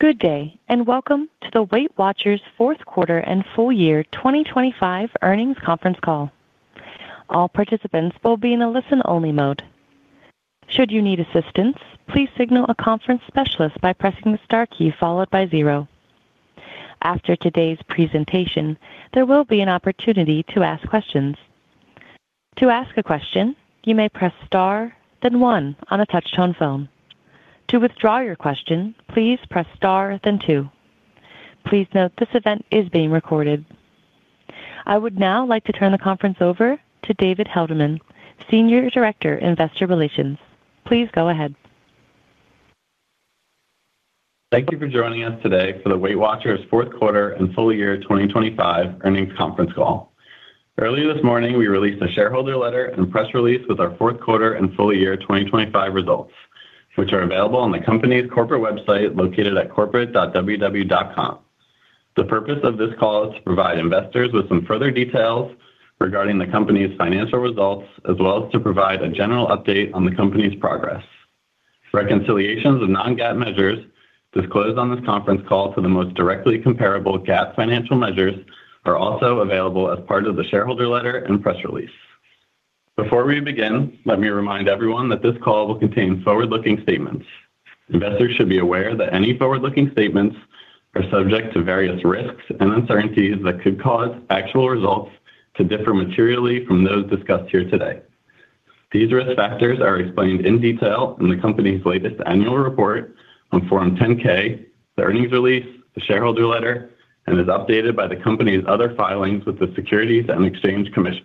Good day, and welcome to the Weight Watchers Q4 and full year 2025 earnings conference call. All participants will be in a listen-only mode. Should you need assistance, please signal a conference specialist by pressing the star key followed by zero. After today's presentation, there will be an opportunity to ask questions. To ask a question, you may press star, then one on a touch-tone phone. To withdraw your question, please press star then two. Please note this event is being recorded. I would now like to turn the conference over to David Halterman, Senior Director, Investor Relations. Please go ahead. Thank you for joining us today for the Weight Watchers Q4 and full year 2025 earnings conference call. Earlier this morning, we released a shareholder letter and press release with our Q4 and full year 2025 results, which are available on the company's corporate website located at corporate.ww.com. The purpose of this call is to provide investors with some further details regarding the company's financial results, as well as to provide a general update on the company's progress. Reconciliations of non-GAAP measures disclosed on this conference call to the most directly comparable GAAP financial measures are also available as part of the shareholder letter and press release. Before we begin, let me remind everyone that this call will contain forward-looking statements. Investors should be aware that any forward-looking statements are subject to various risks and uncertainties that could cause actual results to differ materially from those discussed here today. These risk factors are explained in detail in the company's latest annual report on Form 10-K, the earnings release, the shareholder letter, and is updated by the company's other filings with the Securities and Exchange Commission.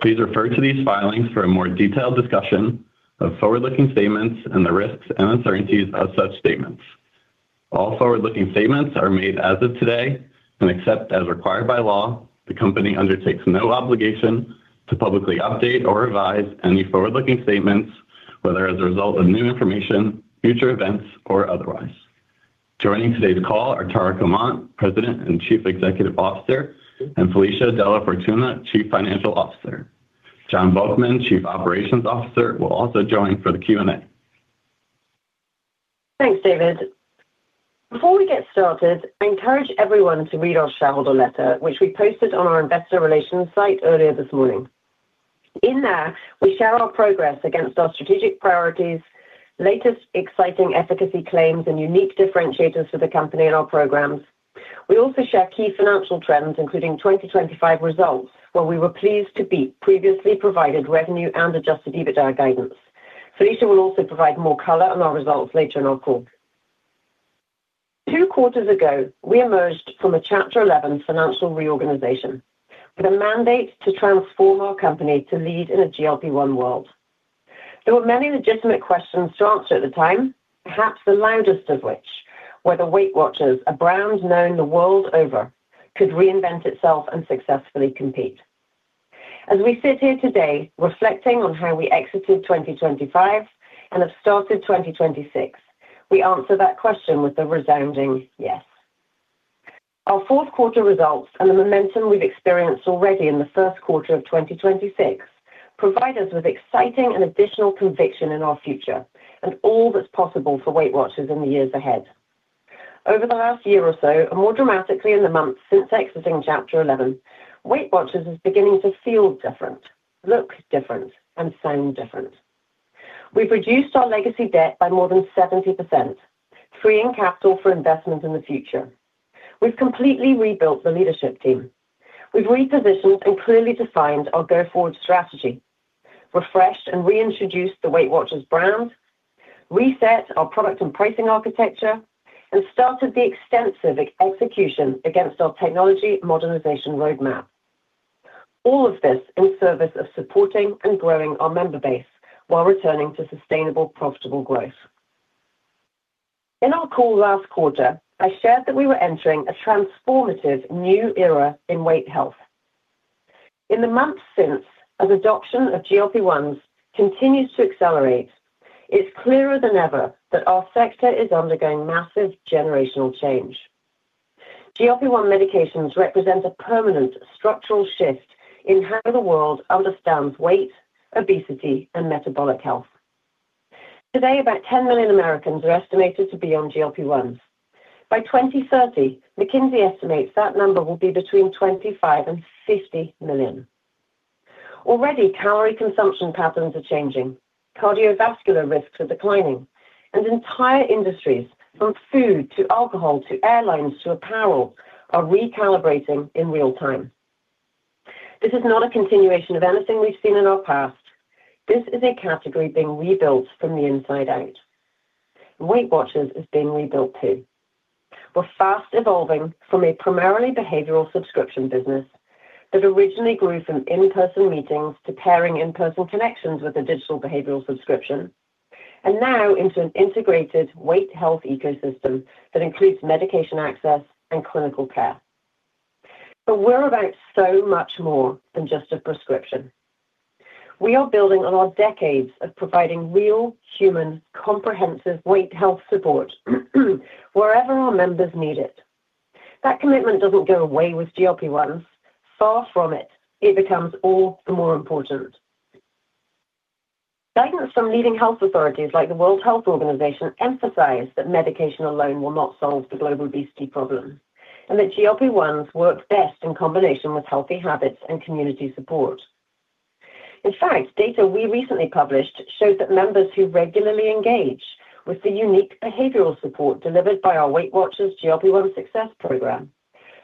Please refer to these filings for a more detailed discussion of forward-looking statements and the risks and uncertainties of such statements. All forward-looking statements are made as of today, and except as required by law, the company undertakes no obligation to publicly update or revise any forward-looking statements, whether as a result of new information, future events, or otherwise. J oining today's call are Tara Comonte, President and Chief Executive Officer, and Felicia DellaFortuna, Chief Financial Officer. Jon Volkmann, Chief Operations Officer, will also join for the Q&A. Thanks, David. Before we get started, I encourage everyone to read our shareholder letter, which we posted on our investor relations site earlier this morning. In there, we share our progress against our strategic priorities, latest exciting efficacy claims, and unique differentiators for the company and our programs. We also share key financial trends, including 2025 results, where we were pleased to beat previously provided revenue and adjusted EBITDA guidance. Felicia will also provide more color on our results later in our call. Two quarters ago, we emerged from a Chapter 11 financial reorganization with a mandate to transform our company to lead in a GLP-1 world. There were many legitimate questions to answer at the time, perhaps the loudest of which were whether the Weight Watchers, a brand known the world over, could reinvent itself and successfully compete. As we sit here today reflecting on how we exited 2025 and have started 2026, we answer that question with a resounding yes. Our Q4 results and the momentum we've experienced already in the Q1 of 2026 provide us with exciting and additional conviction in our future and all that's possible for Weight Watchers in the years ahead. Over the last year or so, and more dramatically in the months since exiting Chapter 11, Weight Watchers is beginning to feel different, look different, and sound different. We've reduced our legacy debt by more than 70%, freeing capital for investment in the future. We've completely rebuilt the leadership team. We've repositioned and clearly defined our go-forward strategy, refreshed and reintroduced the Weight Watchers brand, reset our product and pricing architecture, and started the extensive execution against our technology modernization roadmap. All of this in service of supporting and growing our member base while returning to sustainable, profitable growth. In our call last quarter, I shared that we were entering a transformative new era in weight health. In the months since, as adoption of GLP-1s continues to accelerate, it's clearer than ever that our sector is undergoing massive generational change. GLP-1 medications represent a permanent structural shift in how the world understands weight, obesity, and metabolic health. Today, about 10 million Americans are estimated to be on GLP-1s. By 2030, McKinsey estimates that number will be between 25 and 50 million. Already, calorie consumption patterns are changing, cardiovascular risks are declining, and entire industries from food to alcohol to airlines to apparel are recalibrating in real time. This is not a continuation of anything we've seen in our past. This is a category being rebuilt from the inside out. Weight Watchers is being rebuilt, too. We're fast evolving from a primarily behavioral subscription business that originally grew from in-person meetings to pairing in-person connections with a digital behavioral subscription, and now into an integrated weight health ecosystem that includes medication access and clinical care. We're about so much more than just a prescription. We are building on our decades of providing real, human, comprehensive weight health support wherever our members need it. That commitment doesn't go away with GLP-1s. Far from it becomes all the more important. Guidance from leading health authorities like the World Health Organization emphasize that medication alone will not solve the global obesity problem and that GLP-1s work best in combination with healthy habits and community support. In fact, data we recently published shows that members who regularly engage with the unique behavioral support delivered by our Weight Watchers GLP-1 Success program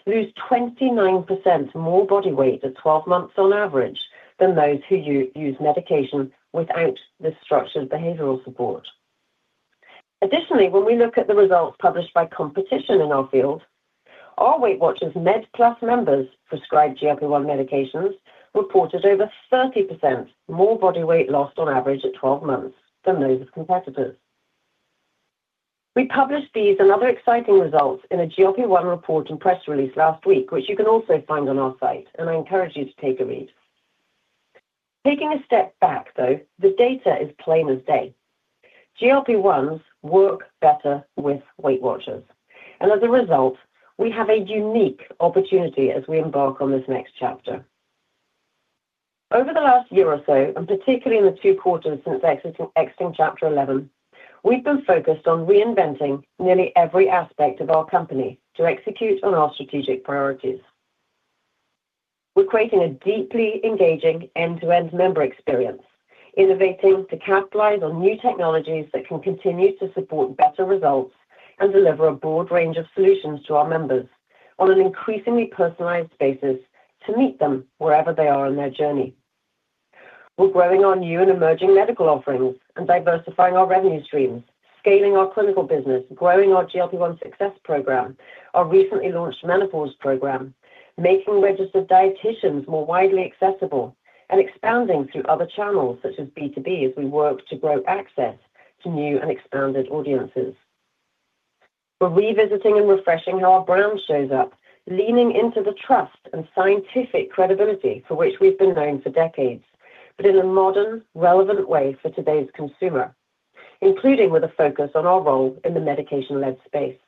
lose 29% more body weight at 12 months on average than those who use medication without this structured behavioral support. Additionally, when we look at the results published by competitors in our field, our Weight Watchers Med+ members prescribed GLP-1 medications reported over 30% more body weight lost on average at 12 months than those of competitors. We published these and other exciting results in a GLP-1 report and press release last week, which you can also find on our site, and I encourage you to take a read. Taking a step back, though, the data is plain as day. GLP-1s work better with Weight Watchers, and as a result, we have a unique opportunity as we embark on this next chapter. Over the last year or so, and particularly in the two quarters since exiting Chapter 11, we've been focused on reinventing nearly every aspect of our company to execute on our strategic priorities. We're creating a deeply engaging end-to-end member experience, innovating to capitalize on new technologies that can continue to support better results and deliver a broad range of solutions to our members on an increasingly personalized basis to meet them wherever they are on their journey. We're growing our new and emerging medical offerings and diversifying our revenue streams, scaling our clinical business, growing our GLP-1 Success program, our recently launched Menopause program, making registered dietitians more widely accessible, and expanding through other channels such as B2B as we work to grow access to new and expanded audiences. We're revisiting and refreshing how our brand shows up, leaning into the trust and scientific credibility for which we've been known for decades, but in a modern, relevant way for today's consumer, including with a focus on our role in the medication-led space.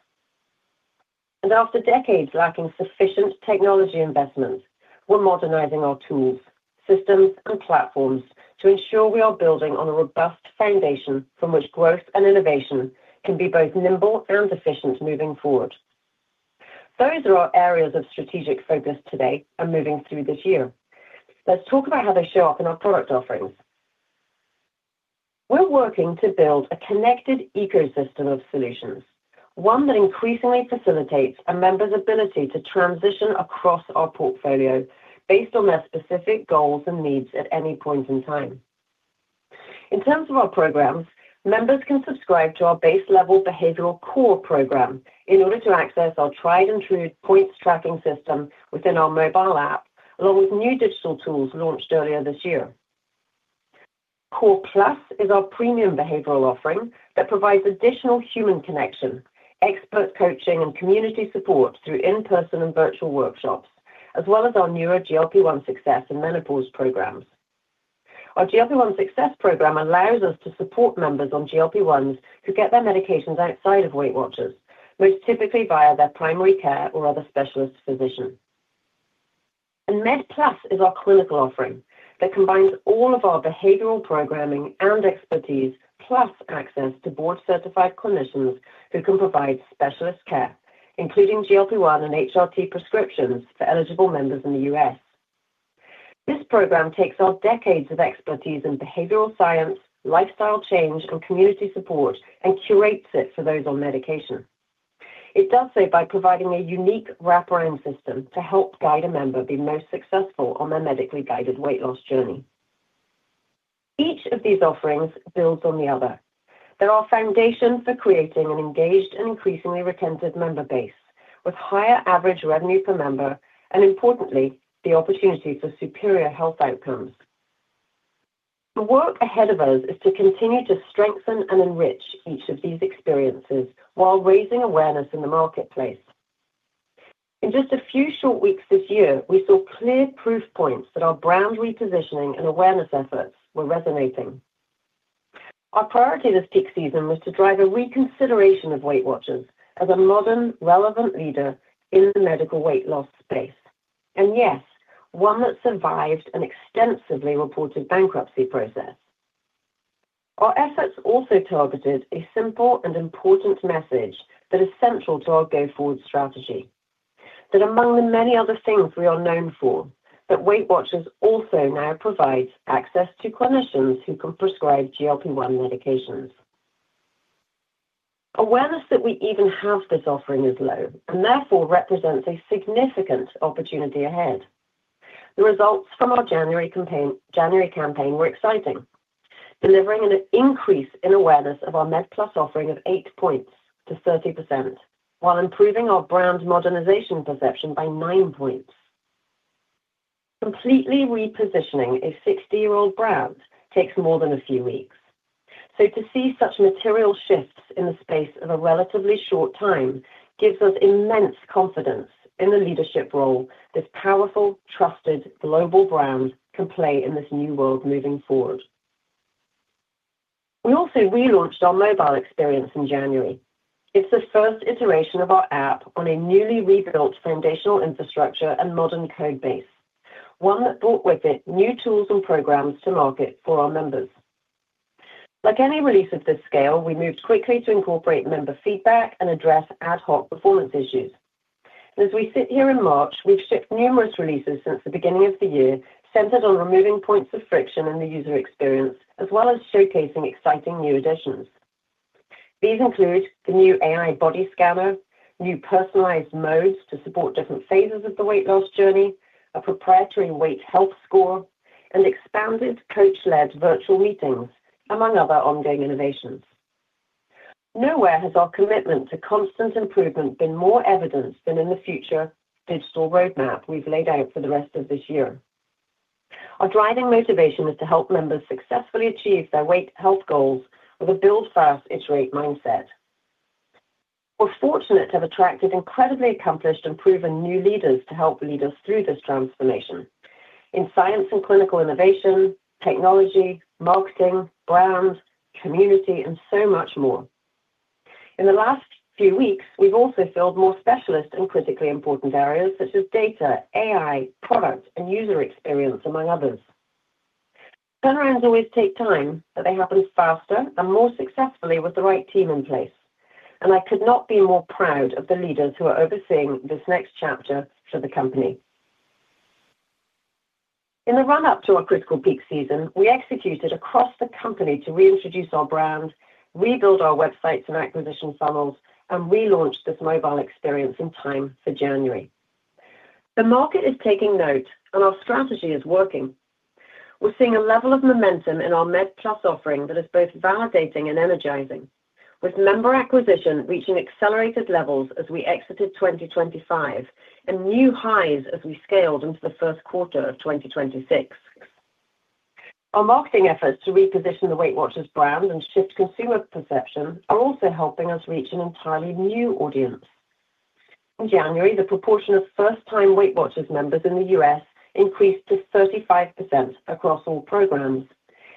After decades lacking sufficient technology investments, we're modernizing our tools, systems, and platforms to ensure we are building on a robust foundation from which growth and innovation can be both nimble and efficient moving forward. Those are our areas of strategic focus today and moving through this year. Let's talk about how they show up in our product offerings. We're working to build a connected ecosystem of solutions, one that increasingly facilitates a member's ability to transition across our portfolio based on their specific goals and needs at any point in time. In terms of our programs, members can subscribe to our base level behavioral Core program in order to access our tried and true points tracking system within our mobile app, along with new digital tools launched earlier this year. Core Plus is our premium behavioral offering that provides additional human connection, expert coaching, and community support through in-person and virtual workshops, as well as our newer GLP-1 Success and Menopause programs. Our GLP-1 Success program allows us to support members on GLP-1s who get their medications outside of Weight Watchers, most typically via their primary care or other specialist physician. Med+ is our clinical offering that combines all of our behavioral programming and expertise, plus access to board-certified clinicians who can provide specialist care, including GLP-1 and HRT prescriptions for eligible members in the U.S. This program takes our decades of expertise in behavioral science, lifestyle change, and community support and curates it for those on medication. It does so by providing a unique wraparound system to help guide a member be most successful on their medically guided weight loss journey. Each of these offerings builds on the other. They're our foundation for creating an engaged and increasingly retentive member base with higher average revenue per member and, importantly, the opportunity for superior health outcomes. The work ahead of us is to continue to strengthen and enrich each of these experiences while raising awareness in the marketplace. In just a few short weeks this year, we saw clear proof points that our brand repositioning and awareness efforts were resonating. Our priority this peak season was to drive a reconsideration of Weight Watchers as a modern, relevant leader in the medical weight loss space. Yes, one that survived an extensively reported bankruptcy process. Our efforts also targeted a simple and important message that is central to our go-forward strategy, that among the many other things we are known for, that Weight Watchers also now provides access to clinicians who can prescribe GLP-1 medications. Awareness that we even have this offering is low and therefore represents a significant opportunity ahead. The results from our January campaign were exciting, delivering an increase in awareness of our Med+ offering of 8 points to 30% while improving our brand modernization perception by 9 points. Completely repositioning a 60-year-old brand takes more than a few weeks. To see such material shifts in the space of a relatively short time gives us immense confidence in the leadership role this powerful, trusted global brand can play in this new world moving forward. We also relaunched our mobile experience in January. It's the first iteration of our app on a newly rebuilt foundational infrastructure and modern code base. One that brought with it new tools and programs to market for our members. Like any release of this scale, we moved quickly to incorporate member feedback and address ad hoc performance issues. As we sit here in March, we've shipped numerous releases since the beginning of the year, centered on removing points of friction in the user experience, as well as showcasing exciting new additions. These include the new AI Body Scanner, new personalized modes to support different phases of the weight loss journey, a proprietary weight health score, and expanded coach-led virtual meetings, among other ongoing innovations. Nowhere has our commitment to constant improvement been more evident than in the future digital roadmap we've laid out for the rest of this year. Our driving motivation is to help members successfully achieve their weight health goals with a build fast iterate mindset. We're fortunate to have attracted incredibly accomplished and proven new leaders to help lead us through this transformation in science and clinical innovation, technology, marketing, brand, community, and so much more. In the last few weeks, we've also filled more specialist and critically important areas such as data, AI, product, and user experience, among others. Turnarounds always take time, but they happen faster and more successfully with the right team in place, and I could not be more proud of the leaders who are overseeing this next chapter for the company. In the run-up to our critical peak season, we executed across the company to reintroduce our brand, rebuild our websites and acquisition funnels, and relaunch this mobile experience in time for January. The market is taking note, and our strategy is working. We're seeing a level of momentum in our Med+ offering that is both validating and energizing, with member acquisition reaching accelerated levels as we exited 2025, and new highs as we scaled into the Q1 of 2026. Our marketing efforts to reposition the Weight Watchers brand and shift consumer perception are also helping us reach an entirely new audience. In January, the proportion of first-time Weight Watchers members in the U.S. increased to 35% across all programs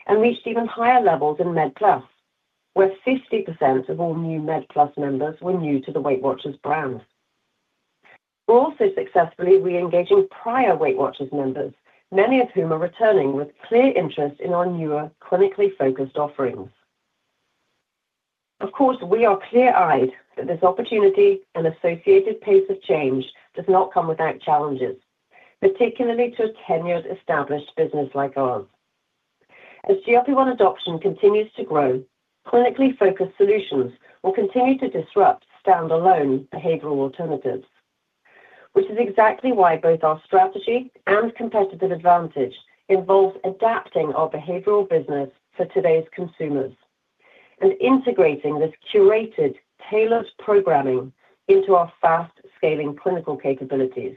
and reached even higher levels in Med+, where 50% of all new Med+ members were new to the Weight Watchers brand. We're also successfully re-engaging prior Weight Watchers members, many of whom are returning with clear interest in our newer, clinically focused offerings. Of course, we are clear-eyed that this opportunity and associated pace of change does not come without challenges, particularly to a tenured, established business like ours. As GLP-1 adoption continues to grow, clinically focused solutions will continue to disrupt standalone behavioral alternatives. Which is exactly why both our strategy and competitive advantage involves adapting our behavioral business for today's consumers and integrating this curated, tailored programming into our fast-scaling clinical capabilities.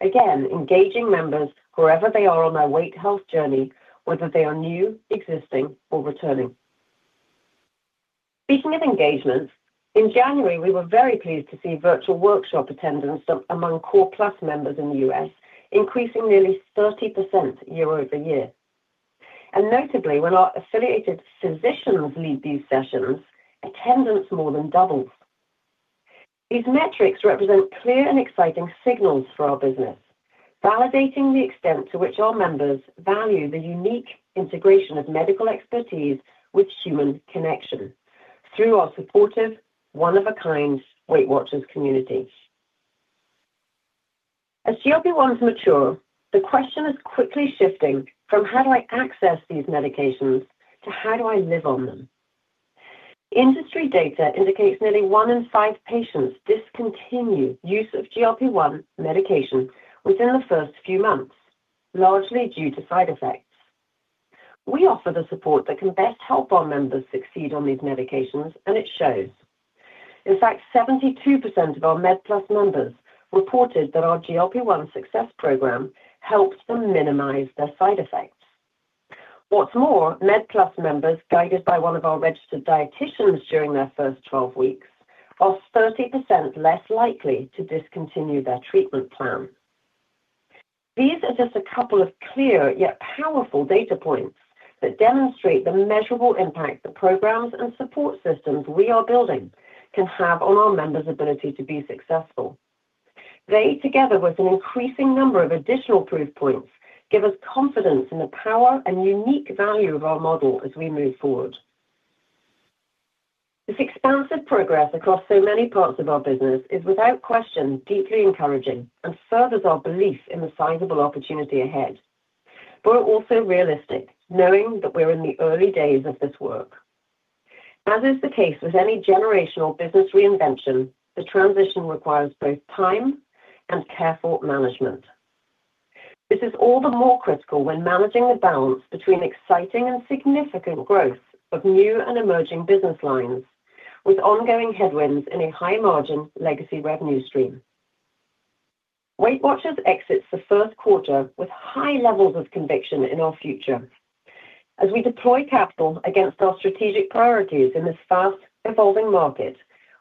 Again, engaging members wherever they are on their weight health journey, whether they are new, existing, or returning. Speaking of engagement, in January, we were very pleased to see virtual workshop attendance among Core+ members in the U.S., increasing nearly 30% year-over-year. Notably, when our affiliated physicians lead these sessions, attendance more than doubles. These metrics represent clear and exciting signals for our business, validating the extent to which our members value the unique integration of medical expertise with human connection through our supportive, one-of-a-kind Weight Watchers community. As GLP-1s mature, the question is quickly shifting from how do I access these medications to how do I live on them? Industry data indicates nearly one in five patients discontinue use of GLP-1 medication within the first few months, largely due to side effects. We offer the support that can best help our members succeed on these medications, and it shows. In fact, 72% of our Med+ members reported that our GLP-1 Success Program helps them minimize their side effects. What's more, Med+ members guided by one of our registered dietitians during their first 12 weeks are 30% less likely to discontinue their treatment plan. These are just a couple of clear yet powerful data points that demonstrate the measurable impact the programs and support systems we are building can have on our members' ability to be successful. They, together with an increasing number of additional proof points, give us confidence in the power and unique value of our model as we move forward. This expansive progress across so many parts of our business is, without question, deeply encouraging and furthers our belief in the sizable opportunity ahead. We're also realistic, knowing that we're in the early days of this work. As is the case with any generational business reinvention, the transition requires both time and careful management. This is all the more critical when managing the balance between exciting and significant growth of new and emerging business lines with ongoing headwinds in a high-margin legacy revenue stream. Weight Watchers exits the Q1 with high levels of conviction in our future. As we deploy capital against our strategic priorities in this fast-evolving market.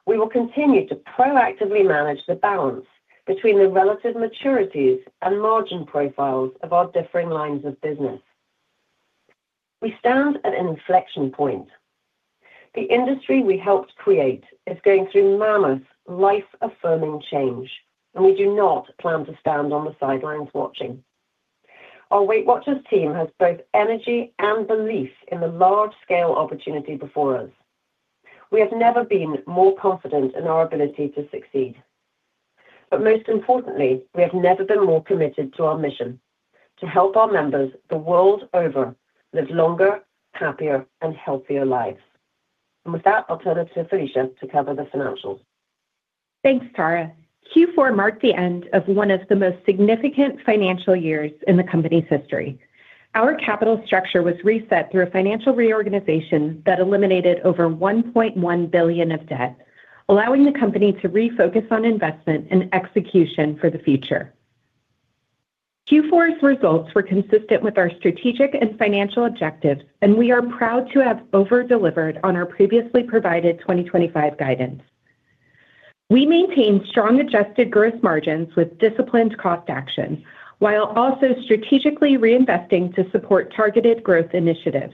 We will continue to proactively manage the balance between the relative maturities and margin profiles of our differing lines of business. We stand at an inflection point. The industry we helped create is going through mammoth life-affirming change, and we do not plan to stand on the sidelines watching. Our Weight Watchers team has both energy and belief in the large-scale opportunity before us. We have never been more confident in our ability to succeed. Most importantly, we have never been more committed to our mission to help our members the world over live longer, happier and healthier lives. With that, I'll turn it to Felicia to cover the financials. Thanks, Tara. Q4 marked the end of one of the most significant financial years in the company's history. Our capital structure was reset through a financial reorganization that eliminated over $1.1 billion of debt, allowing the company to refocus on investment and execution for the future. Q4's results were consistent with our strategic and financial objectives, and we are proud to have over-delivered on our previously provided 2025 guidance. We maintained strong adjusted gross margins with disciplined cost action, while also strategically reinvesting to support targeted growth initiatives.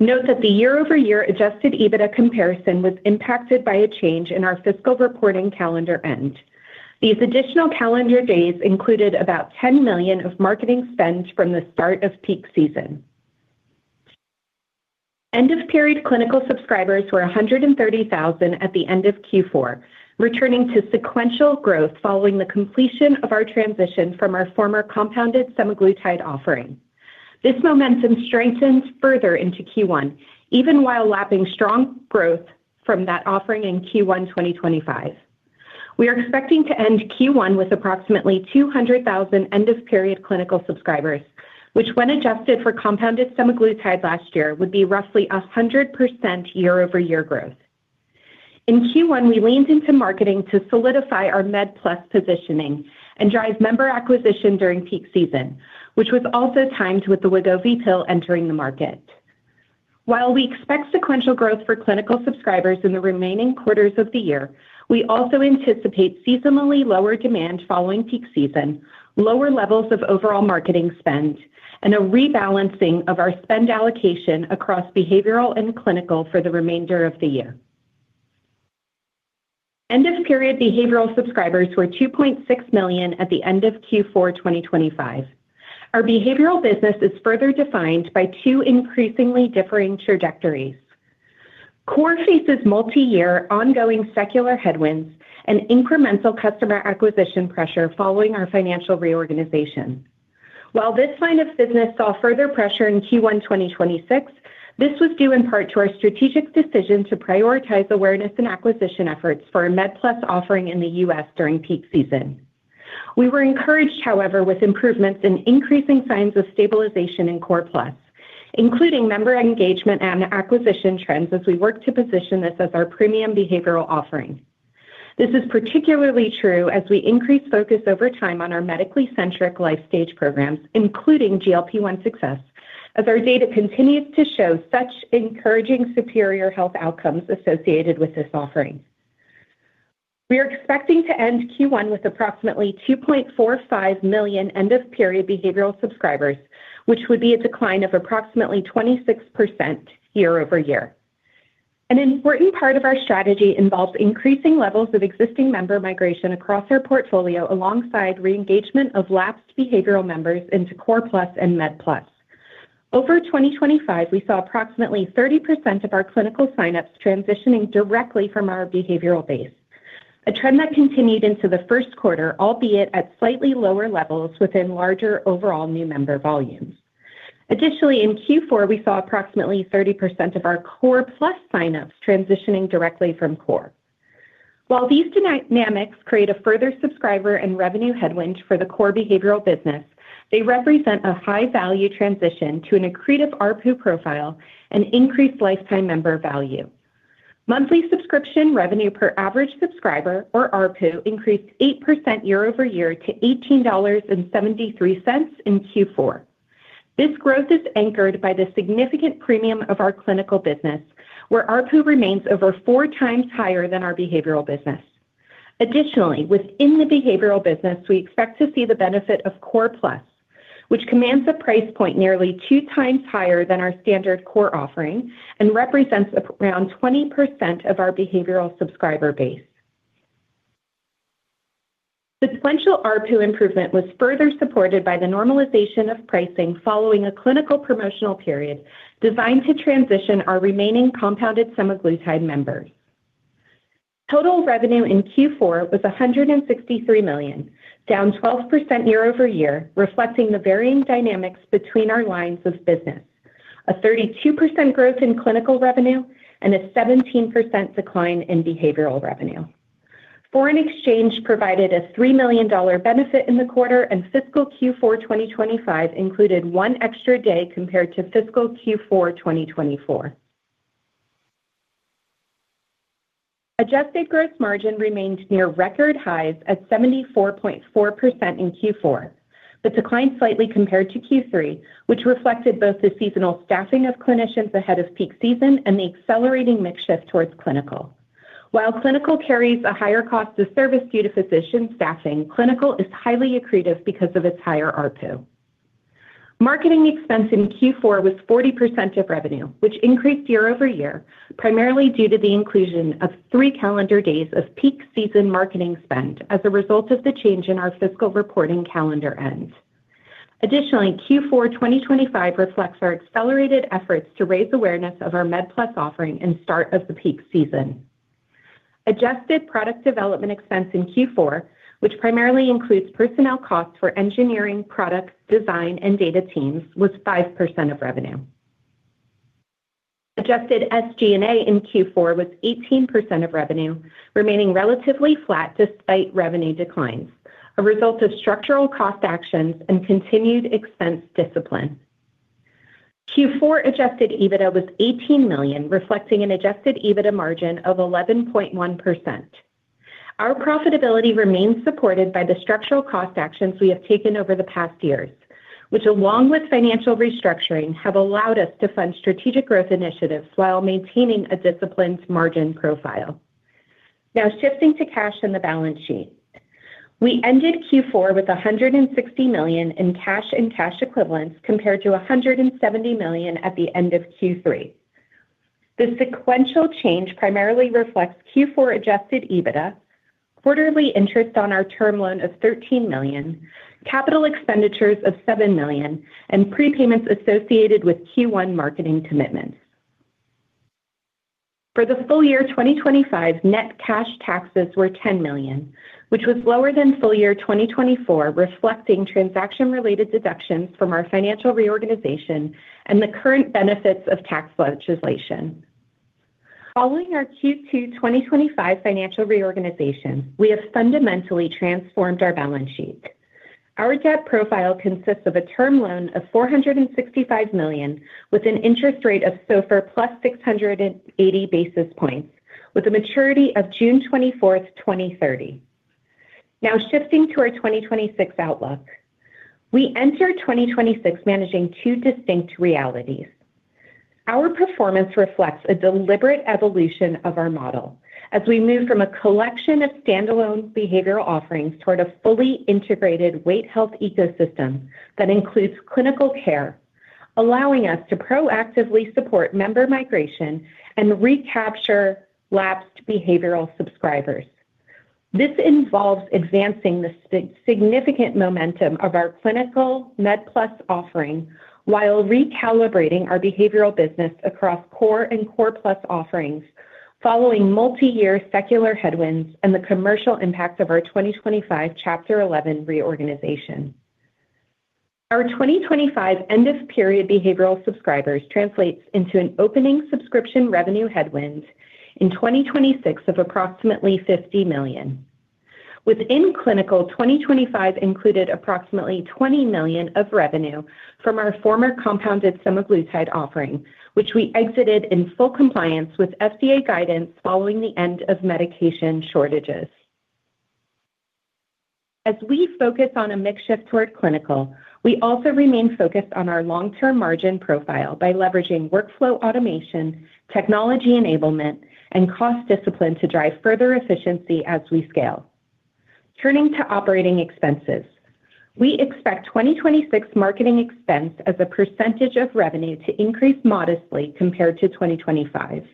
Note that the year-over-year adjusted EBITDA comparison was impacted by a change in our fiscal reporting calendar end. These additional calendar days included about $10 million of marketing spend from the start of peak season. End-of-period clinical subscribers were 130,000 at the end of Q4, returning to sequential growth following the completion of our transition from our former compounded semaglutide offering. This momentum strengthens further into Q1, even while lapping strong growth from that offering in Q1 2025. We are expecting to end Q1 with approximately 200,000 end-of-period clinical subscribers, which when adjusted for compounded semaglutide last year, would be roughly 100% year-over-year growth. In Q1, we leaned into marketing to solidify our Med+ positioning and drive member acquisition during peak season, which was also timed with the Wegovy pill entering the market. While we expect sequential growth for clinical subscribers in the remaining quarters of the year, we also anticipate seasonally lower demand following peak season, lower levels of overall marketing spend, and a rebalancing of our spend allocation across behavioral and clinical for the remainder of the year. End-of-period behavioral subscribers were 2.6 million at the end of Q4 2025. Our behavioral business is further defined by two increasingly differing trajectories. Core faces multi-year ongoing secular headwinds and incremental customer acquisition pressure following our financial reorganization. While this line of business saw further pressure in Q1 2026, this was due in part to our strategic decision to prioritize awareness and acquisition efforts for a Med+ offering in the U.S. during peak season. We were encouraged, however, with improvements in increasing signs of stabilization in Core+, including member engagement and acquisition trends as we work to position this as our premium behavioral offering. This is particularly true as we increase focus over time on our medically-centric life stage programs, including GLP-1 Success, as our data continues to show such encouraging superior health outcomes associated with this offering. We are expecting to end Q1 with approximately 2.45 million end-of-period behavioral subscribers, which would be a decline of approximately 26% year-over-year. An important part of our strategy involves increasing levels of existing member migration across our portfolio alongside re-engagement of lapsed behavioral members into Core+ and Med+. Over 2025, we saw approximately 30% of our clinical signups transitioning directly from our behavioral base, a trend that continued into the Q1, albeit at slightly lower levels within larger overall new member volumes. Additionally, in Q4, we saw approximately 30% of our Core+ signups transitioning directly from Core. While these dynamics create a further subscriber and revenue headwind for the core behavioral business, they represent a high-value transition to an accretive ARPU profile and increased lifetime member value. Monthly subscription revenue per average subscriber, or ARPU, increased 8% year-over-year to $18.73 in Q4. This growth is anchored by the significant premium of our clinical business, where ARPU remains over four times higher than our behavioral business. Additionally, within the behavioral business, we expect to see the benefit of Core+, which commands a price point nearly 2x higher than our standard Core offering and represents around 20% of our behavioral subscriber base. The sequential ARPU improvement was further supported by the normalization of pricing following a clinical promotional period designed to transition our remaining compounded semaglutide members. Total revenue in Q4 was $163 million, down 12% year-over-year, reflecting the varying dynamics between our lines of business, a 32% growth in clinical revenue and a 17% decline in behavioral revenue. Foreign exchange provided a $3 million benefit in the quarter, and fiscal Q4 2025 included one extra day compared to fiscal Q4 2024. Adjusted gross margin remained near record highs at 74.4% in Q4. Declined slightly compared to Q3, which reflected both the seasonal staffing of clinicians ahead of peak season and the accelerating mix shift towards clinical. While clinical carries a higher cost of service due to physician staffing, clinical is highly accretive because of its higher ARPU. Marketing expense in Q4 was 40% of revenue, which increased year-over-year, primarily due to the inclusion of three calendar days of peak season marketing spend as a result of the change in our fiscal reporting calendar end. Additionally, Q4 2025 reflects our accelerated efforts to raise awareness of our Med+ offering and start of the peak season. Adjusted product development expense in Q4, which primarily includes personnel costs for engineering, product, design, and data teams, was 5% of revenue. Adjusted SG&A in Q4 was 18% of revenue, remaining relatively flat despite revenue declines, a result of structural cost actions and continued expense discipline. Q4 adjusted EBITDA was $18 million, reflecting an adjusted EBITDA margin of 11.1%. Our profitability remains supported by the structural cost actions we have taken over the past years, which along with financial restructuring, have allowed us to fund strategic growth initiatives while maintaining a disciplined margin profile. Now shifting to cash and the balance sheet. We ended Q4 with $160 million in cash and cash equivalents compared to $170 million at the end of Q3. The sequential change primarily reflects Q4 adjusted EBITDA, quarterly interest on our term loan of $13 million, capital expenditures of $7 million, and prepayments associated with Q1 marketing commitments. For the full year 2025, net cash taxes were $10 million, which was lower than full year 2024, reflecting transaction-related deductions from our financial reorganization and the current benefits of tax legislation. Following our Q2 2025 financial reorganization, we have fundamentally transformed our balance sheet. Our debt profile consists of a term loan of $465 million with an interest rate of SOFR plus 680 basis points, with a maturity of June 24, 2030. Now shifting to our 2026 outlook. We enter 2026 managing two distinct realities. Our performance reflects a deliberate evolution of our model as we move from a collection of standalone behavioral offerings toward a fully integrated weight health ecosystem that includes clinical care, allowing us to proactively support member migration and recapture lapsed behavioral subscribers. This involves advancing the significant momentum of our clinical Med+ offering while recalibrating our behavioral business across Core and Core+ offerings following multi-year secular headwinds and the commercial impact of our 2025 Chapter 11 reorganization. Our 2025 end of period behavioral subscribers translates into an opening subscription revenue headwind in 2026 of approximately $50 million. Within clinical, 2025 included approximately $20 million of revenue from our former compounded semaglutide offering, which we exited in full compliance with FDA guidance following the end of medication shortages. As we focus on a mix shift toward clinical, we also remain focused on our long-term margin profile by leveraging workflow automation, technology enablement, and cost discipline to drive further efficiency as we scale. Turning to operating expenses. We expect 2026 marketing expense as a percentage of revenue to increase modestly compared to 2025.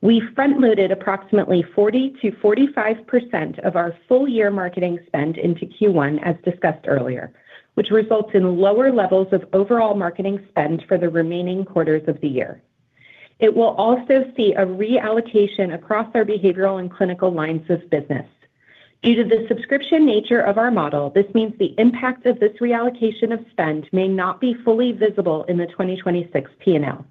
We front-loaded approximately 40%-45% of our full year marketing spend into Q1 as discussed earlier, which results in lower levels of overall marketing spend for the remaining quarters of the year. It will also see a reallocation across our behavioral and clinical lines of business. Due to the subscription nature of our model, this means the impact of this reallocation of spend may not be fully visible in the 2026 P&L.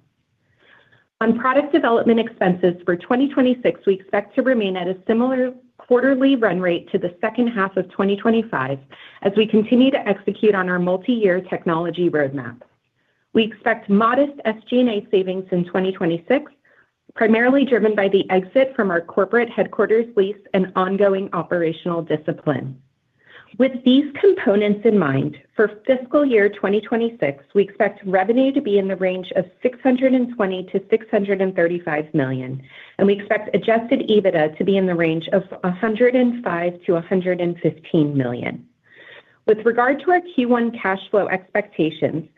On product development expenses for 2026, we expect to remain at a similar quarterly run rate to the second half of 2025 as we continue to execute on our multi-year technology roadmap. We expect modest SG&A savings in 2026, primarily driven by the exit from our corporate headquarters lease and ongoing operational discipline. With these components in mind, for fiscal year 2026, we expect revenue to be in the range of $620 million-$635 million, and we expect adjusted EBITDA to be in the range of $105 million-$115 million. With regard to our Q1 cash flow expectations,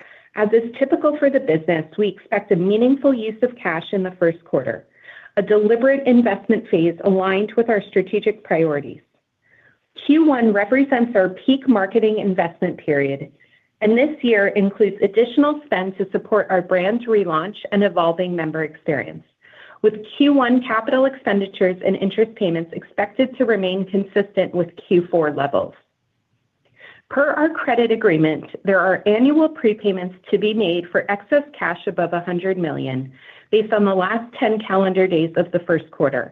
as is typical for the business, we expect a meaningful use of cash in the Q1, a deliberate investment phase aligned with our strategic priorities. Q1 represents our peak marketing investment period, and this year includes additional spend to support our brand's relaunch and evolving member experience. With Q1 capital expenditures and interest payments expected to remain consistent with Q4 levels. Per our credit agreement, there are annual prepayments to be made for excess cash above $100 million based on the last ten calendar days of the Q1.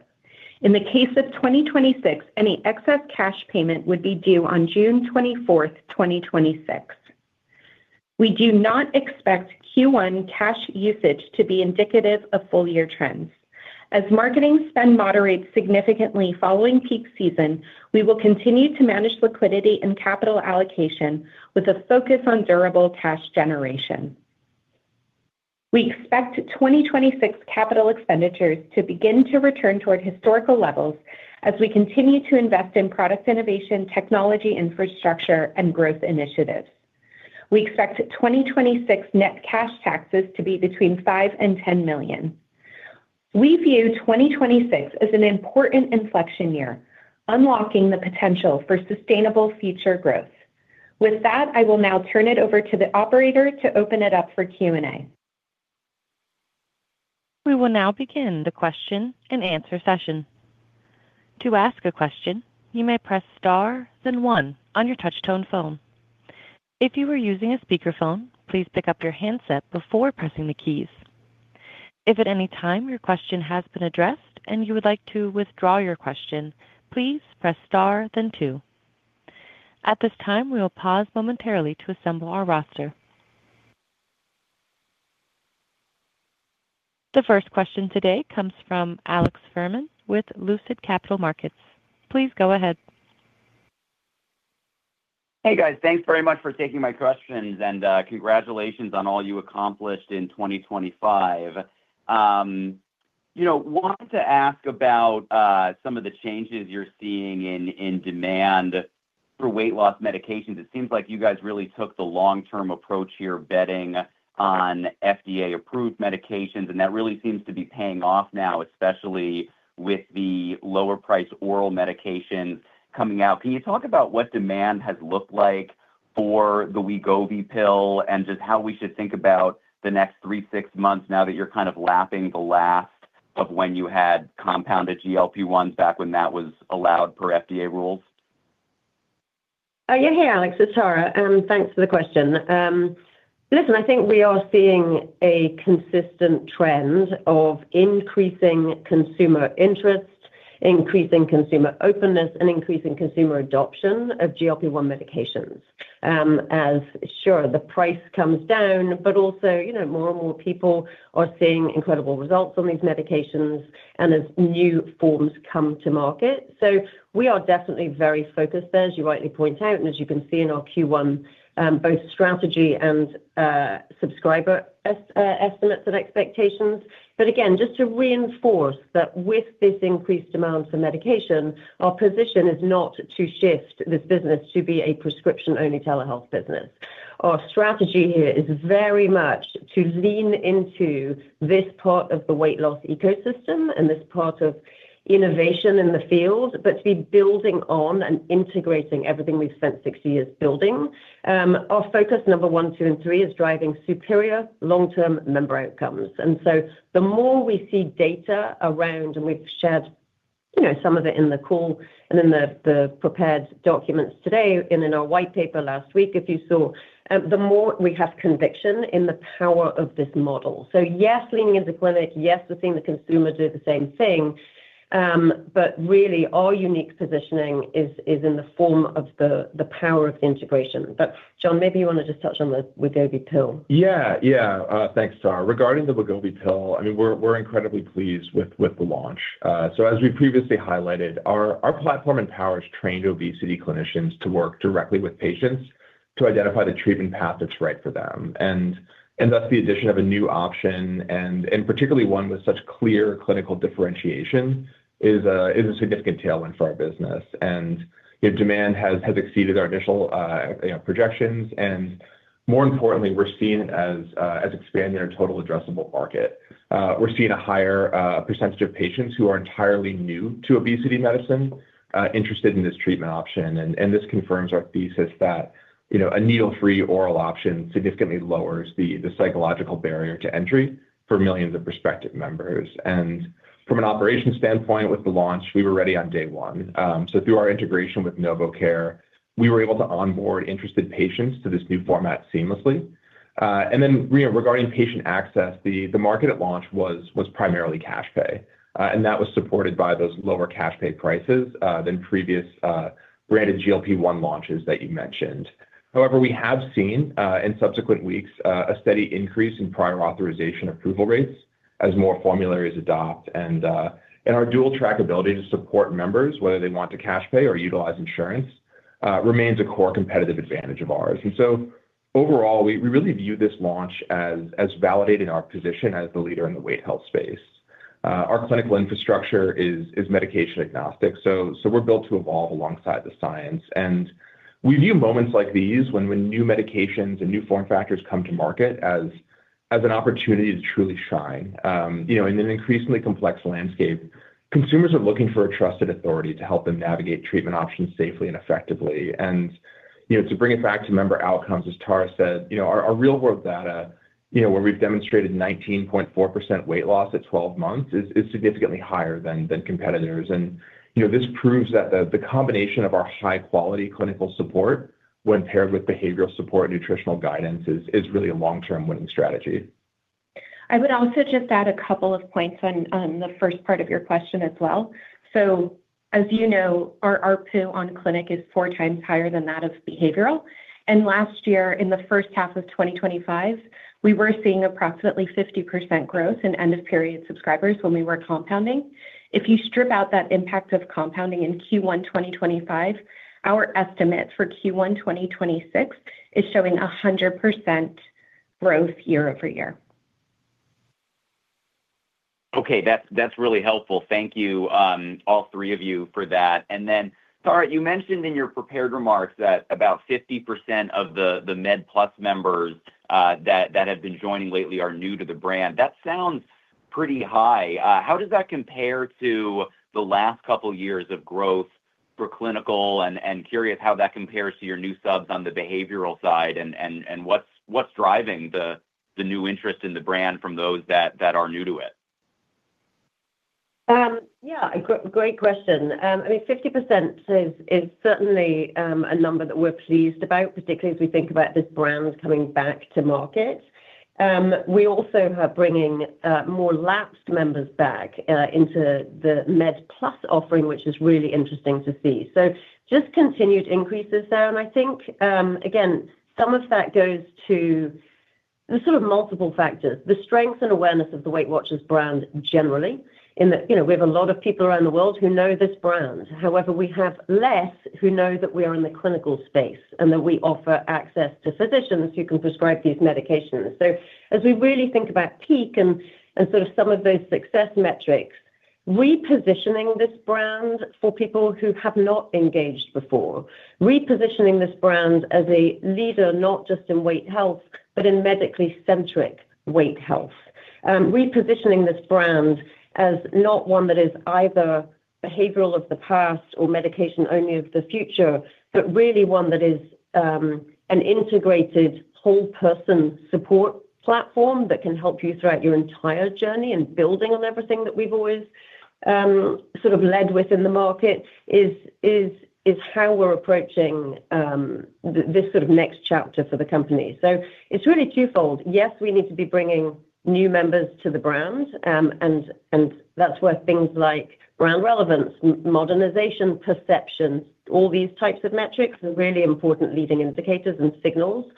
In the case of 2026, any excess cash payment would be due on June 24, 2026. We do not expect Q1 cash usage to be indicative of full year trends. As marketing spend moderates significantly following peak season, we will continue to manage liquidity and capital allocation with a focus on durable cash generation. We expect 2026 capital expenditures to begin to return toward historical levels as we continue to invest in product innovation, technology infrastructure, and growth initiatives. We expect 2026 net cash taxes to be between $5 million and $10 million. We view 2026 as an important inflection year, unlocking the potential for sustainable future growth. With that, I will now turn it over to the operator to open it up for Q&A. We will now begin the question-and-answer session. To ask a question, you may press star then one on your touchtone phone. If you are using a speakerphone, please pick up your handset before pressing the keys. If at any time your question has been addressed and you would like to withdraw your question, please press star then two. At this time, we will pause momentarily to assemble our roster. The first question today comes from Alex Fuhrman with Lucid Capital Markets. Please go ahead. Hey, guys. Thanks very much for taking my questions, and congratulations on all you accomplished in 2025. Wanted to ask about some of the changes you're seeing in demand for weight loss medications. It seems like you guys really took the long-term approach here, betting on FDA-approved medications, that really seems to be paying off now, especially with the lower price oral medications coming out. Can you talk about what demand has looked like for the Wegovy pill and just how we should think about the next three, six months now that you're kind of lapping the last of when you had compounded GLP-1s back when that was allowed per FDA rules? Yeah. Hey, Alex. It's Tara, and thanks for the question. Listen, I think we are seeing a consistent trend of increasing consumer interest, increasing consumer openness, and increasing consumer adoption of GLP-1 medications. As the price comes down, but also more and more people are seeing incredible results on these medications and as new forms come to market. We are definitely very focused there, as you rightly point out, and as you can see in our Q1 both strategy and subscriber estimates and expectations. Again, just to reinforce that with this increased demand for medication, our position is not to shift this business to be a prescription-only telehealth business. Our strategy here is very much to lean into this part of the weight loss ecosystem and this part of innovation in the field, but to be building on and integrating everything we've spent 60 years building. Our focus number one, two, and three is driving superior long-term member outcomes. The more we see data around, and we've shared some of it in the call and in the prepared documents today and in our white paper last week, if you saw, the more we have conviction in the power of this model. Yes, leaning into clinic, yes, we're seeing the consumer do the same thing, but really our unique positioning is in the form of the power of integration. Jon, maybe you want to just touch on the Wegovy pill. Yeah. Thanks, Tara. Regarding the Wegovy pill, I mean, we're incredibly pleased with the launch. As we previously highlighted, our platform empowers trained obesity clinicians to work directly with patients to identify the treatment path that's right for them. Thus the addition of a new option and particularly one with such clear clinical differentiation is a significant tailwind for our business. Demand has exceeded our initial projections, and more importantly, we're seeing it as expanding our total addressable market. We're seeing a higher percentage of patients who are entirely new to obesity medicine interested in this treatment option. This confirms our thesis that a needle-free oral option significantly lowers the psychological barrier to entry for millions of prospective members. From an operation standpoint with the launch, we were ready on day one. Through our integration with NovoCare, we were able to onboard interested patients to this new format seamlessly. Regarding patient access, the market at launch was primarily cash pay, and that was supported by those lower cash pay prices than previous branded GLP-1 launches that you mentioned. However, we have seen in subsequent weeks a steady increase in prior authorization approval rates as more formularies adopt. Our dual track ability to support members, whether they want to cash pay or utilize insurance, remains a core competitive advantage of ours. Overall, we really view this launch as validating our position as the leader in the weight health space. Our clinical infrastructure is medication agnostic, so we're built to evolve alongside the science. We view moments like these when new medications and new form factors come to market as an opportunity to truly shine. In an increasingly complex landscape, consumers are looking for a trusted authority to help them navigate treatment options safely and effectively. To bring it back to member outcomes, as Tara said our real world data where we've demonstrated 19.4% weight loss at 12 months is significantly higher than competitors. This proves that the combination of our high quality clinical support when paired with behavioral support, nutritional guidance is really a long-term winning strategy. I would also just add a couple of points on the first part of your question as well. As our ARPU on clinic is four times higher than that of behavioral. Last year, in the first half of 2025, we were seeing approximately 50% growth in end of period subscribers when we were compounding. If you strip out that impact of compounding in Q1 2025, our estimate for Q1 2026 is showing 100% growth year-over-year. Okay. That's really helpful. Thank you, all three of you for that. Tara, you mentioned in your prepared remarks that about 50% of the Med+ members that have been joining lately are new to the brand. That sounds pretty high. How does that compare to the last couple years of growth for clinical? Curious how that compares to your new subs on the behavioral side and what's driving the new interest in the brand from those that are new to it? Yeah. Great question. I mean, 50% is certainly a number that we're pleased about, particularly as we think about this brand coming back to market. We also are bringing more lapsed members back into the Med+ offering, which is really interesting to see. Just continued increases there. I think, again, some of that goes to. There's sort of multiple factors. The strength and awareness of the Weight Watchers brand generally, in that we have a lot of people around the world who know this brand. However, we have less who know that we are in the clinical space, and that we offer access to physicians who can prescribe these medications. As we really think about peak and sort of some of those success metrics, repositioning this brand for people who have not engaged before, repositioning this brand as a leader, not just in weight health, but in medically centric weight health. Repositioning this brand as not one that is either behavioral of the past or medication only of the future, but really one that is an integrated whole person support platform that can help you throughout your entire journey. Building on everything that we've always sort of led with in the market is how we're approaching this sort of next chapter for the company. It's really twofold. Yes, we need to be bringing new members to the brand. That's where things like brand relevance, modernization, perception, all these types of metrics are really important leading indicators and signals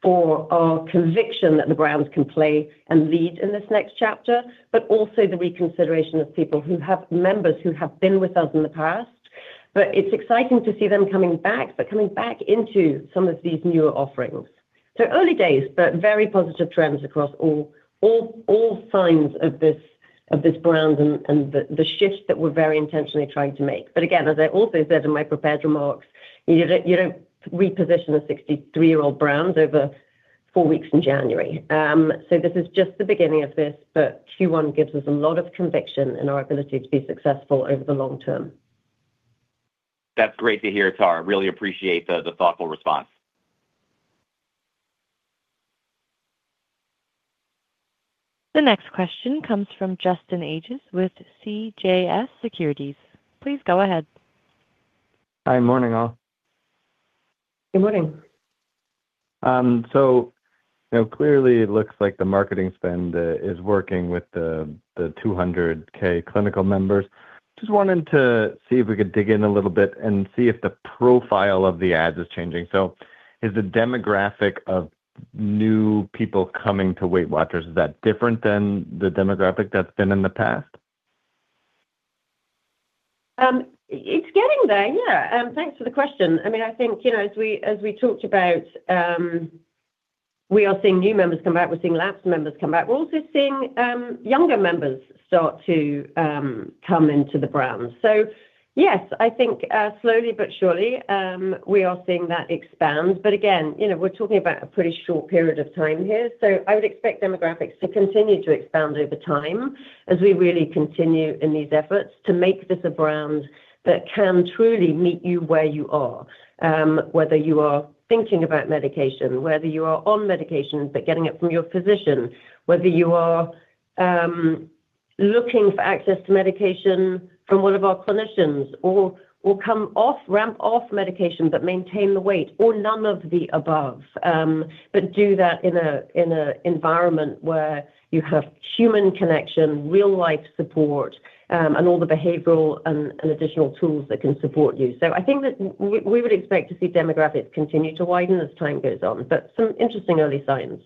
for our conviction that the brand can play and lead in this next chapter, but also the reconsideration of members who have been with us in the past. It's exciting to see them coming back, but coming back into some of these newer offerings. Early days, but very positive trends across all signs of this brand and the shift that we're very intentionally trying to make. Again, as I also said in my prepared remarks, you don't reposition a 63-year-old brand over four weeks in January. This is just the beginning of this, but Q1 gives us a lot of conviction in our ability to be successful over the long term. That's great to hear, Tara. Really appreciate the thoughtful response. The next question comes from Justin Z Ages with CJS Securities. Please go ahead. Hi. Morning, all. Good morning. Clearly it looks like the marketing spend is working with the 200K clinical members. Just wanting to see if we could dig in a little bit and see if the profile of the ads is changing. Is the demographic of new people coming to Weight Watchers different than the demographic that's been in the past? It's getting there, yeah. Thanks for the question. I mean, I think as we talked about, we are seeing new members come back. We're seeing lapsed members come back. We're also seeing younger members start to come into the brand. Yes, I think, slowly but surely, we are seeing that expand. again we're talking about a pretty short period of time here. I would expect demographics to continue to expand over time as we really continue in these efforts to make this a brand that can truly meet you where you are. Whether you are thinking about medication, whether you are on medication but getting it from your physician, whether you are looking for access to medication from one of our clinicians or come off, ramp off medication but maintain the weight or none of the above. Do that in an environment where you have human connection, real-life support, and all the behavioral and additional tools that can support you. I think that we would expect to see demographics continue to widen as time goes on. Some interesting early signs.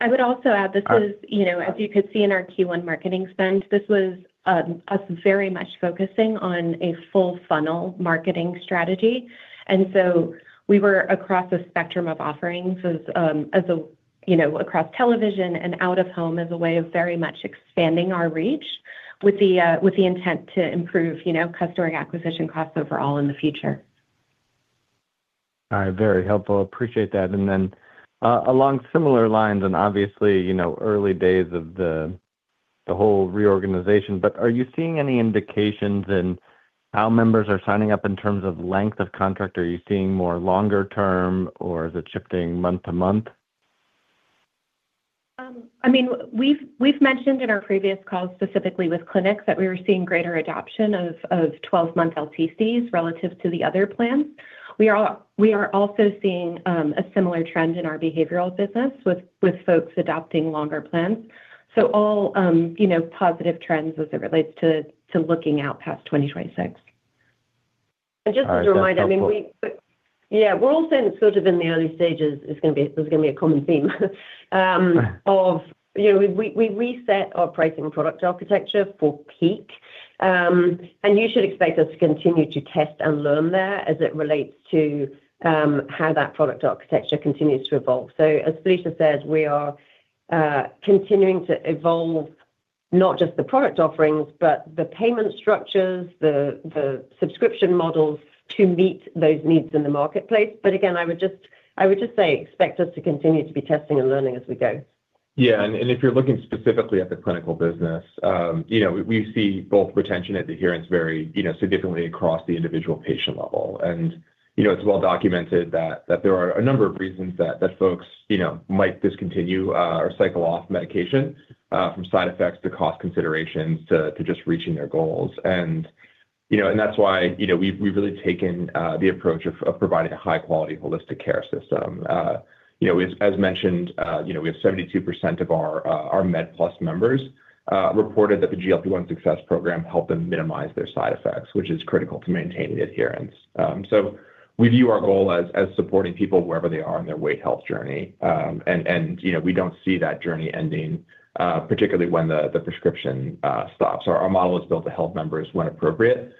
I would also add this is as you could see in our Q1 marketing spend, this was us very much focusing on a full funnel marketing strategy. We were across a spectrum of offerings as a across television and out-of-home as a way of very much expanding our reach with the intent to improve customer acquisition costs overall in the future. All right. Very helpful. Appreciate that. Along similar lines and obviously early days of the whole reorganization, are you seeing any indications in how members are signing up in terms of length of contract? Are you seeing more longer term or is it shifting month to month? I mean, we've mentioned in our previous calls specifically with clinics that we were seeing greater adoption of 12-month LTCs relative to the other plans. We are also seeing a similar trend in our behavioral business with folks adopting longer plans. all positive trends as it relates to looking out past 2026. Just as a reminder, I mean, yeah, we're all sort of in the early stages. This is going to be a common theme, of we reset our pricing product architecture for peak. You should expect us to continue to test and learn there as it relates to how that product architecture continues to evolve. As Felicia said, we are continuing to evolve not just the product offerings, but the payment structures, the subscription models to meet those needs in the marketplace. Again, I would just say expect us to continue to be testing and learning as we go. If you're looking specifically at the clinical business we see both retention and adherence vary significantly across the individual patient level. It's well documented that there are a number of reasons that folks might discontinue or cycle off medication from side effects to cost considerations to just reaching their goals. That's why we've really taken the approach of providing a high-quality holistic care system. As mentioned we have 72% of our Med+ members reported that the GLP-1 Success program helped them minimize their side effects, which is critical to maintaining adherence. We view our goal as supporting people wherever they are in their weight health journey. we don't see that journey ending, particularly when the prescription stops. Our model is built to help members when appropriate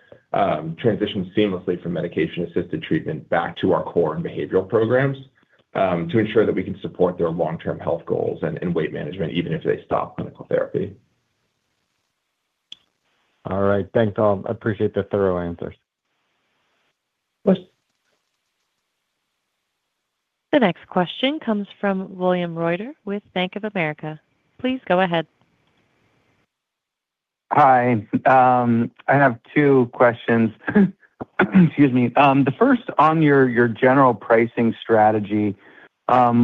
transition seamlessly from medication-assisted treatment back to our Core and behavioral programs, to ensure that we can support their long-term health goals and weight management even if they stop clinical therapy. All right. Thanks, all. I appreciate the thorough answers. Of course. The next question comes from William Reuter with Bank of America. Please go ahead. Hi. I have two questions. Excuse me. The first on your general pricing strategy,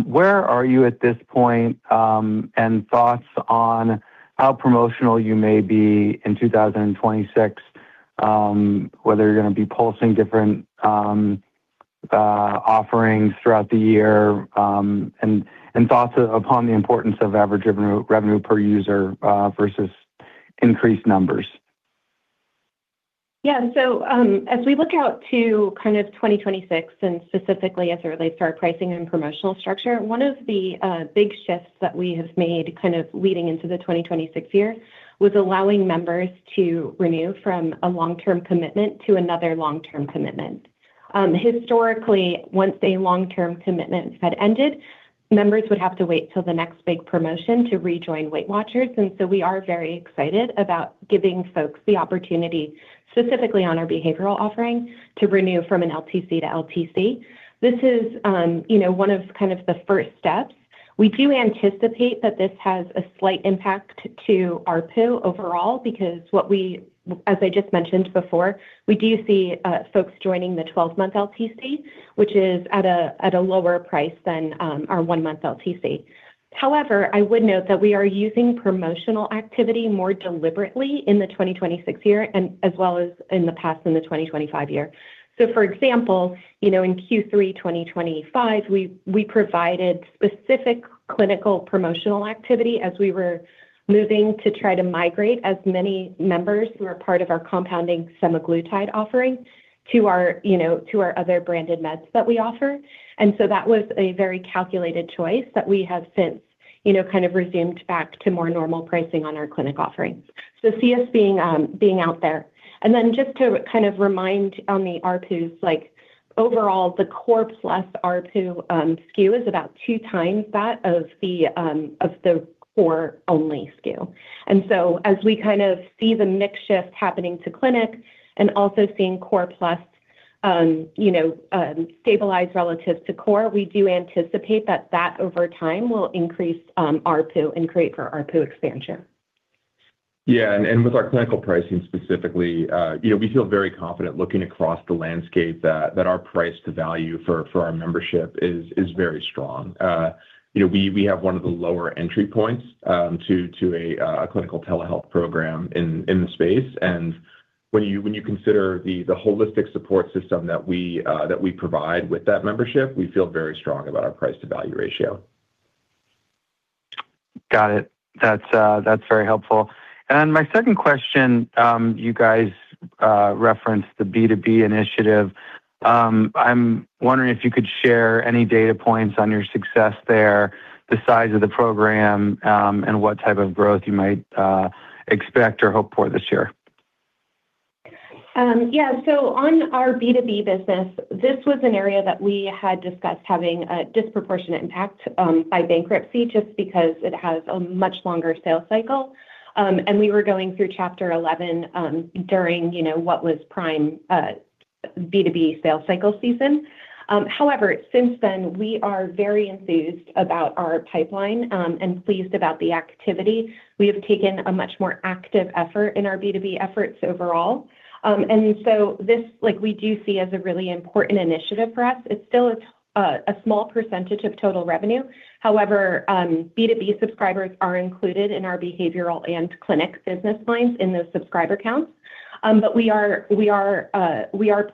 where are you at this point, and thoughts on how promotional you may be in 2026, whether you're going to be pulsing different offerings throughout the year, and thoughts upon the importance of average revenue per user versus increased numbers. Yeah. As we look out to kind of 2026 and specifically as it relates to our pricing and promotional structure, one of the big shifts that we have made kind of leading into the 2026 year was allowing members to renew from a long-term commitment to another long-term commitment. Historically, once a long-term commitment had ended, members would have to wait till the next big promotion to rejoin Weight Watchers, and we are very excited about giving folks the opportunity, specifically on our behavioral offering, to renew from an LTC to LTC. This is one of kind of the first steps. We do anticipate that this has a slight impact to ARPU overall because what we. As I just mentioned before, we do see folks joining the 12-month LTC, which is at a lower price than our 1-month LTC. However, I would note that we are using promotional activity more deliberately in the 2026 year and as well as in the past in the 2025 year. For example in Q3 2025, we provided specific clinical promotional activity as we were moving to try to migrate as many members who are part of our compounded semaglutide offering to our to our other branded meds that we offer. That was a very calculated choice that we have since kind of resumed back to more normal pricing on our clinic offerings. See us being out there. Just to kind of remind on the ARPUs, like, overall, the Core+ ARPU SKU is about two times that of the Core only SKU. As we kind of see the mix shift happening to clinic and also seeing core+ stabilize relative to Core, we do anticipate that over time will increase ARPU and create for ARPU expansion. Yeah. With our clinical pricing specifically we feel very confident looking across the landscape that our price to value for our membership is very strong. We have one of the lower entry points to a clinical telehealth program in the space. When you consider the holistic support system that we provide with that membership, we feel very strong about our price-to-value ratio. Got it. That's very helpful. My second question, you guys referenced the B2B initiative. I'm wondering if you could share any data points on your success there, the size of the program, and what type of growth you might expect or hope for this year. Yeah. On our B2B business, this was an area that we had discussed having a disproportionate impact by bankruptcy just because it has a much longer sales cycle. We were going through Chapter 11 during you know what was prime B2B sales cycle season. However, since then, we are very enthused about our pipeline and pleased about the activity. We have taken a much more active effort in our B2B efforts overall. This, like, we do see as a really important initiative for us. It's still a small percentage of total revenue. However, B2B subscribers are included in our behavioral and clinic business lines in those subscriber counts. We are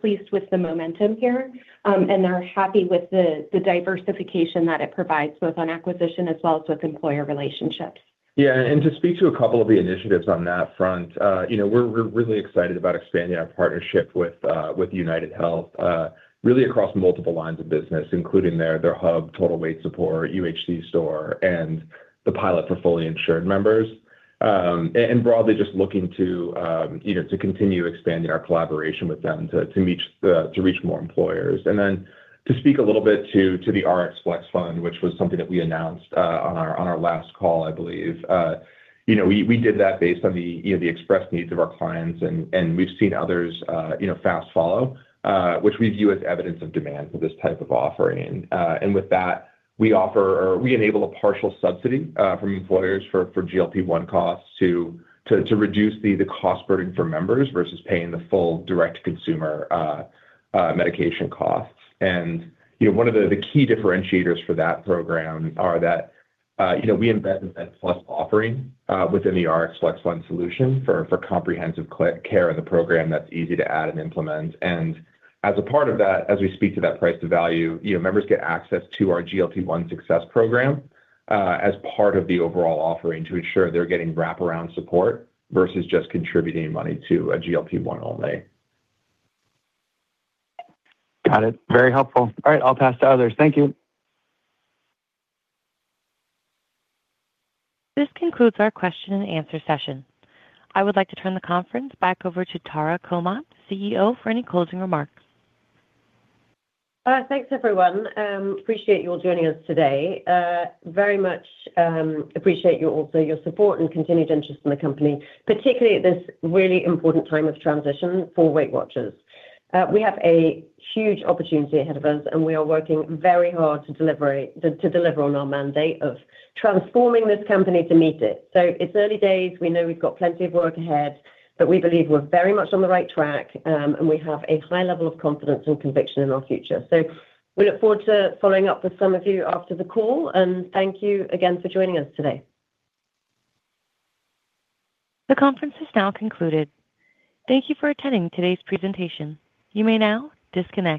pleased with the momentum here, and are happy with the diversification that it provides, both on acquisition as well as with employer relationships. Yeah. To speak to a couple of the initiatives on that front we're really excited about expanding our partnership with UnitedHealth Group really across multiple lines of business, including their hub, Total Weight Support, UHC Store, and the pilot for fully insured members. Broadly just looking to you know to continue expanding our collaboration with them to reach more employers. To speak a little bit to the RxFlexFund, which was something that we announced on our last call, I believe. We did that based on the you know the expressed needs of our clients and we've seen others you know fast follow, which we view as evidence of demand for this type of offering. With that, we offer or we enable a partial subsidy from employers for GLP-1 costs to reduce the cost burden for members versus paying the full direct-to-consumer medication costs. One of the key differentiators for that program are that we embed an Events Plus offering within the RxFlexFund solution for comprehensive clinical care in the program that's easy to add and implement. As a part of that, as we speak to that price to value members get access to our GLP-1 Success program as part of the overall offering to ensure they're getting wraparound support versus just contributing money to a GLP-1 only. Got it. Very helpful. All right, I'll pass to others. Thank you. This concludes our question and answer session. I would like to turn the conference back over to Tara Comonte, CEO, for any closing remarks. Thanks everyone. Appreciate you all joining us today. Very much appreciate also your support and continued interest in the company, particularly at this really important time of transition for Weight Watchers. We have a huge opportunity ahead of us, and we are working very hard to deliver on our mandate of transforming this company to meet it. It's early days. We know we've got plenty of work ahead, but we believe we're very much on the right track, and we have a high level of confidence and conviction in our future. We look forward to following up with some of you after the call, and thank you again for joining us today. The conference is now concluded. Thank you for attending today's presentation. You may now disconnect.